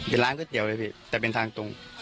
เป็นร้านข้าวแก๋วเลยพี่แต่เป็นทางตรง